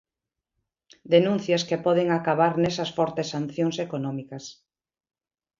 Denuncias que poden acabar nesas fortes sancións económicas.